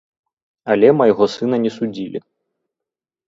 Але майго сына не судзілі.